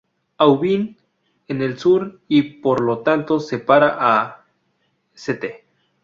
Aubin en el sur, y por lo tanto, separa a St.